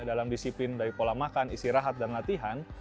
dalam disiplin dari pola makan istirahat dan latihan